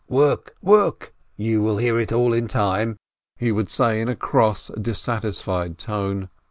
"Work, work — you will hear it all in time !" he would say, in a cross, dissatisfied tone.